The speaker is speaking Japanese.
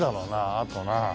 あとな。